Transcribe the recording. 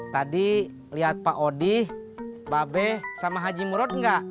tadi liat pak odi mba be sama haji murut enggak